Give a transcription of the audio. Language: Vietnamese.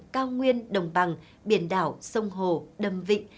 cao nguyên đồng bằng biển đảo sông hồ đâm vịnh